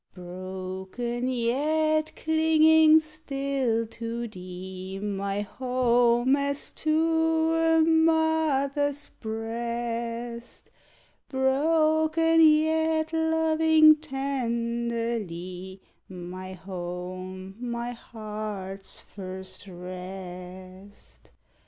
Broken, yet clinging still to thee, My home, as to a mother's breast; Broken, yet loving tenderly My home, my heart's first rest.